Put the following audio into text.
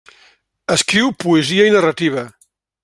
Escriu poesia i narrativa.